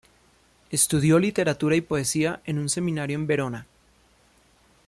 Estudió literatura y poesía en un seminario en Verona.